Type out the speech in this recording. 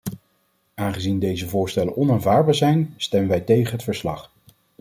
Aangezien deze voorstellen onaanvaardbaar zijn, stemmen wij tegen het verslag.